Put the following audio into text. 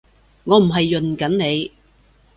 我唔係潤緊你